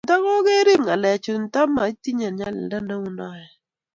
ntikokerup ng'alekchu, nto maitinye nyalilda neu noee